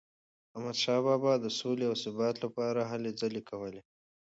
احمدشاه بابا د سولې او ثبات لپاره هلي ځلي کولي.